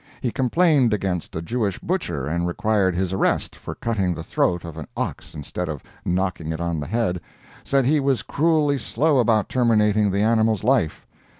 He complained against a Jewish butcher, and required his arrest, for cutting the throat of an ox instead of knocking it on the head; said he was cruelly slow about terminating the animal's life.